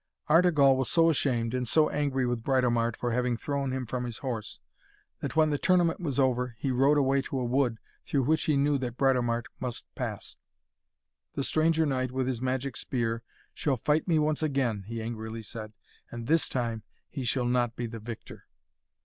Artegall was so ashamed, and so angry with Britomart for having thrown him from his horse, that when the tournament was over, he rode away to a wood, through which he knew that Britomart must pass. 'The stranger knight with his magic spear shall fight me once again,' he angrily said, 'and this time he shall not be the victor.'